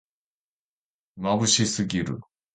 まぶしすぎる